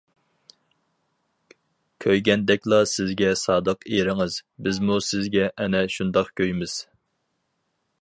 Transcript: كۆيگەندەكلا سىزگە سادىق ئېرىڭىز، بىزمۇ سىزگە ئەنە شۇنداق كۆيىمىز.